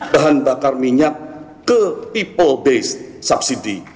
bahan bakar minyak ke people based subsidi